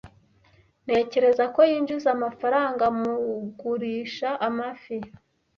Ntekereza ko yinjiza amafaranga mugurisha amafi.